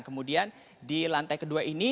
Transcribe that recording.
kemudian di lantai kedua ini